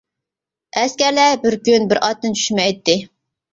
ئەسكەرلەر بىر كۈن بىر ئاتتىن چۈشمەيتتى.